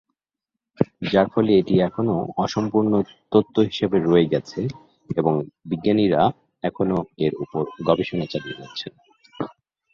যার ফলে এটি এখনও অসম্পূর্ণ তত্ব হিসেবে রয়ে গেছে এবং বিজ্ঞানীরা এখনও এর উপর গবেষণা চালিয়ে যাচ্ছেন।